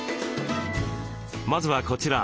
まずはこちら。